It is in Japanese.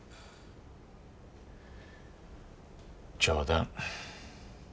冗談。